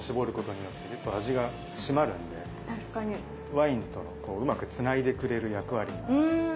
ワインとのこううまくつないでくれる役割もあります。